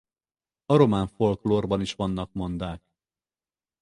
A román folklórban is vannak mondák.